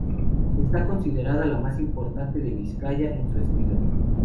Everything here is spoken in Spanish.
Está considerada la más importante de Vizcaya en su estilo.